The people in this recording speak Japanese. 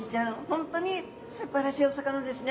本当にすばらしいお魚ですね。